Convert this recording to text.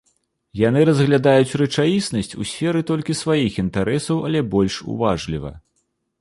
Яны разглядаюць рэчаіснасць у сферы толькі сваіх інтарэсаў, але больш уважліва.